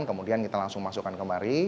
kemudian kita langsung masukkan kembali